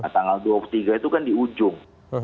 tanggal dua puluh tiga itu kan di ujung